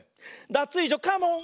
ダツイージョカモン！